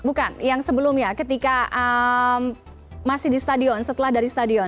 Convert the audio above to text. tidak ada pertolongan yang sebelumnya ketika masih di stadion setelah dari stadion